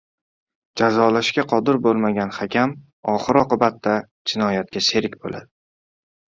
Jazolashga qodir bo‘lmagan hakam oxir-oqibatda jinoyatga sherik bo‘ladi.